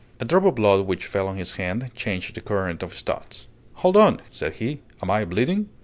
A drop of blood which fell on his hand changed the current of his thoughts. "Hold on!" said he: "am I bleeding?"